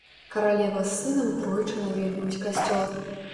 Каралева з сынам тройчы наведваюць касцёл.